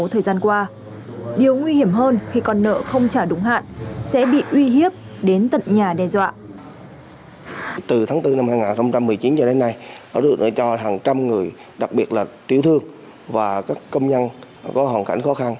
thời gian qua điều nguy hiểm hơn khi con nợ không trả đúng hạn sẽ bị uy hiếp đến tận nhà đe dọa